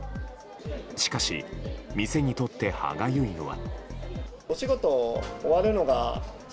しかし店にとって歯がゆいのは。